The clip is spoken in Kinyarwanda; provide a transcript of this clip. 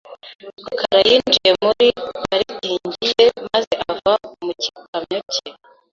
rukara yinjiye muri parikingi ye maze ava mu gikamyo cye .